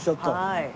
はい。